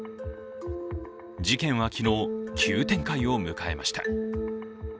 事件は昨日、急展開を迎えました。